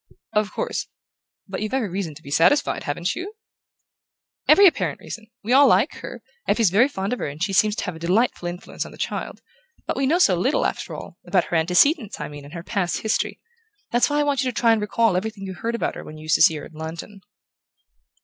"Of course...But you've every reason to be satisfied, haven't you?" "Every apparent reason. We all like her. Effie's very fond of her, and she seems to have a delightful influence on the child. But we know so little, after all about her antecedents, I mean, and her past history. That's why I want you to try and recall everything you heard about her when you used to see her in London."